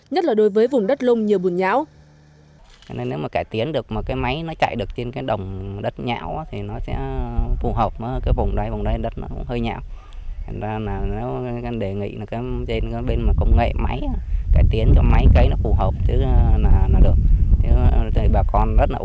nhất là đối với vùng đất lông nhiều bùn nhão